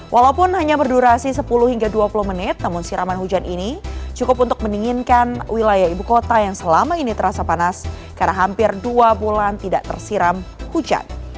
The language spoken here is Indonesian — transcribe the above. walaupun hanya berdurasi sepuluh hingga dua puluh menit namun siraman hujan ini cukup untuk mendinginkan wilayah ibu kota yang selama ini terasa panas karena hampir dua bulan tidak tersiram hujan